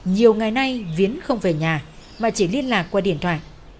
nhiều ngày nay viến không về nhà mà chỉ liên lạc qua điện thoại